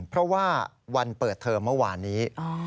เพราะว่าวันเปิดเทอมเมื่อวานนี้